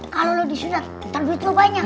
kalau lo disunat ntar duit lo banyak